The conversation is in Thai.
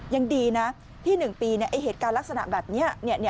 ยังดีนะที่๑ปีเหตุการณ์ลักษณะแบบนี้